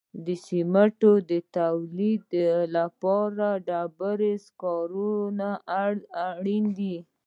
د سمنټو د تولید لپاره د ډبرو سکاره اړین دي.